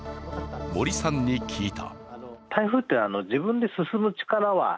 森さんに聞いた。